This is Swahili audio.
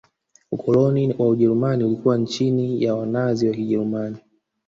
ukoloni wa ujerumani ulikuwa chini ya wanazi wa kijerumani